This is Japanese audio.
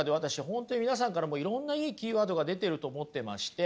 本当に皆さんからもいろんないいキーワードが出てると思ってまして。